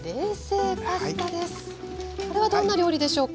これはどんな料理でしょうか？